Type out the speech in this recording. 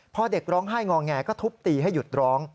พอเด็กร้องไห้งอแงก็ทุบตีให้หยุดร้อง